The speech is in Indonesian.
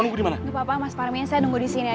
gak apa apa mas parmin saya nunggu di sini aja ya